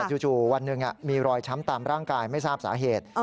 จู่วันหนึ่งมีรอยช้ำตามร่างกายไม่ทราบสาเหตุ